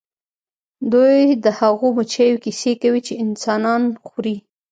دوی د هغو مچیو کیسې کوي چې انسانان خوري